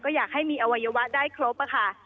อยากให้มีอวัยวะได้ครบค่ะ